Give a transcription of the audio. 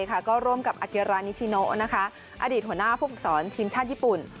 ก็ร่วมกับอาเกรานิชิโนอดีตหัวหน้าผู้ฝึกสอนทีมชาติญี่ปุ่น